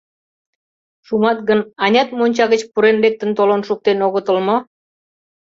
Шумат гын, анят монча гыч пурен лектын толын шуктен огытыл мо?..